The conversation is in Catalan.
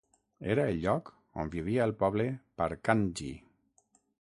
Era el lloc on vivia el poble paarkantji.